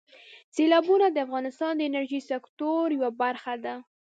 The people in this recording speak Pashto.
سیلابونه د افغانستان د انرژۍ سکتور یوه برخه ده.